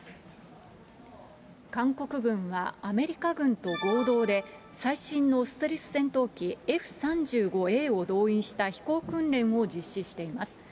韓国軍は、アメリカ軍と合同で、最新のステルス戦闘機、Ｆ３５Ａを動員した飛行訓練を実施しています。